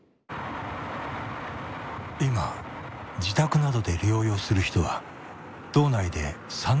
今自宅などで療養する人は道内で３，５００人余り。